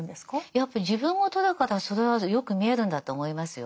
やっぱり自分ごとだからそれはよく見えるんだと思いますよ。